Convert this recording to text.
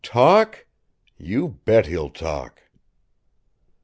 Talk? You bet he'll talk!"